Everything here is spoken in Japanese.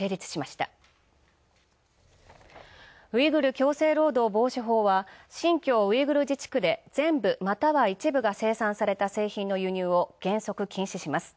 強制労働防止法案は、新疆ウイグル自治区で全部または一部が生産された製品の輸入を原則禁止します。